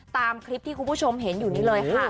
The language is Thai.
ตามคลิปที่คุณผู้ชมเห็นอยู่นี้เลยค่ะ